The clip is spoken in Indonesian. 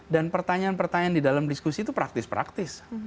dan pertanyaan pertanyaan di dalam diskusi itu praktis praktis